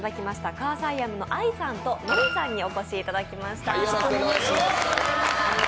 クァーサイヤムのアイさんとノイさんにお越しいただきました。